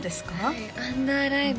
はいアンダーライブ